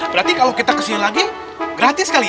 berarti kalau kita kesini lagi gratis kali ya